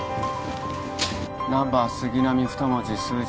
ナンバー杉並２文字数字